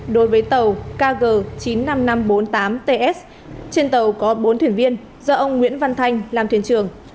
đối với tàu kg chín mươi năm nghìn năm trăm bốn mươi tám ts trên tàu có bốn thuyền viên do ông nguyễn văn thanh làm thuyền trưởng